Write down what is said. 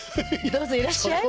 どうぞいらっしゃい。